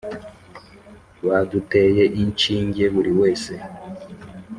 Baduteye inshinge buri wese